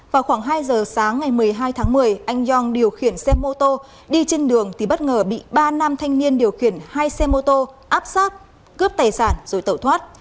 vào khoảng hai giờ sáng ngày một mươi hai tháng một mươi anh yong điều khiển xe mô tô đi trên đường thì bất ngờ bị ba nam thanh niên điều khiển hai xe mô tô áp sát cướp tài sản rồi tẩu thoát